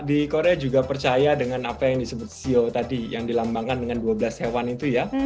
di korea juga percaya dengan apa yang disebut xio tadi yang dilambangkan dengan dua belas hewan itu ya